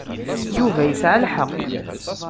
Yuba yesɛa lḥeqq.